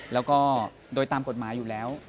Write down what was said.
แล้วก็โดยตามกฎหมายอยู่แล้ว